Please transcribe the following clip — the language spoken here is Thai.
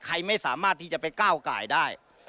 ใครไม่สามารถที่จะไปก้าวไก่ได้